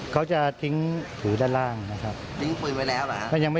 เขาจะทิ้งถือด้านล่างนะครับ